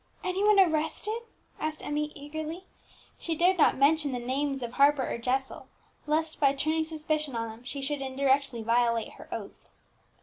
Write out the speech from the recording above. "Any one arrested?" asked Emmie eagerly. She dared not mention the names of Harper or Jessel, lest, by turning suspicion on them, she should indirectly violate her oath.